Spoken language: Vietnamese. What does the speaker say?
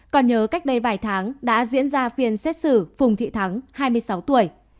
còn nhớ cách đây vài tháng đã diễn ra phiên xét xử phùng thị thắng hai mươi sáu tuổi